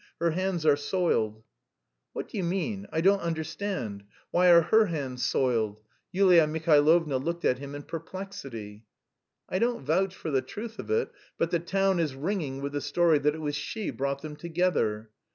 her hands are soiled." "What do you mean; I don't understand? Why are her hands soiled?" Yulia Mihailovna looked at him in perplexity. "I don't vouch for the truth of it, but the town is ringing with the story that it was she brought them together."